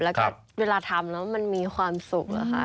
แล้วก็เวลาทำแล้วมันมีความสุขอะค่ะ